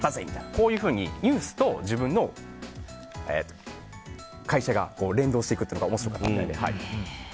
こういうふうにニュースと自分の会社が連動していくというのが面白かったみたいで。